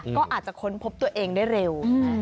ก็อาจจะค้นพบตัวเองได้เร็ว